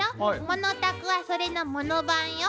ものたくはそれのもの版よ。